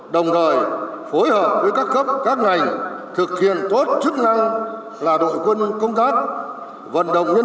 đồng thời phối hợp với các cấp các ngành thực hiện tốt chức năng là đội quân công tác vận động nhân